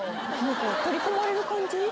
取り込まれる感じ？